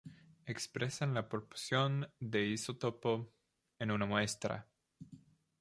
Expresan la proporción de un isótopo en una muestra.